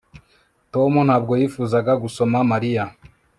Tom ntabwo yifuzaga gusoma Mariya